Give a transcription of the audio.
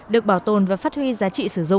được bảo tồn và phát huy giá trị